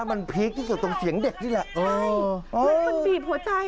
มันพีคที่เกี่ยวกับตรงเสียงเด็กนี่แหละเออมันบีบหัวใจอ่ะ